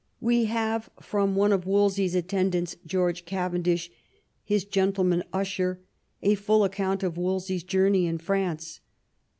We have from one of Wolsey's attendants, George Cavendish, his gentleman usher, a full account of Wolsey's journey in France.